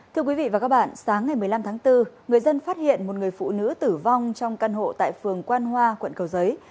thưa quý vị và các bạn sáng ngày một mươi năm tháng bốn người dân phát hiện một người phụ nữ tử vong trong căn hộ tại phường quan hoa quận cầu giấy